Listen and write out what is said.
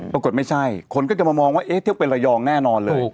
ปรากฏไม่ใช่คนก็จะมามองว่าเอ๊ะเที่ยวเป็นระยองแน่นอนเลย